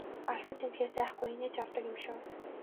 Алдаж эндэхээс айхгүй инээж явдаг юм шүү!